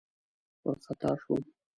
وارخطا شوم.